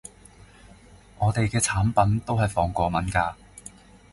我哋嘅產品都係防過敏㗎